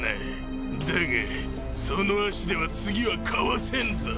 だがその脚では次はかわせんぞ。